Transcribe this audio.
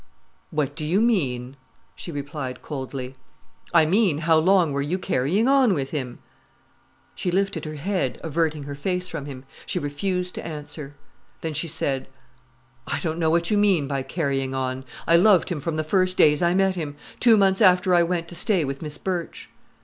"What do you mean?" she replied coldly. "I mean how long were you carrying on with him?" She lifted her head, averting her face from him. She refused to answer. Then she said: "I don't know what you mean, by carrying on. I loved him from the first days I met him—two months after I went to stay with Miss Birch."